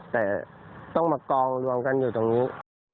แต่ต้องมากองรวมกันอยู่ตรงนี้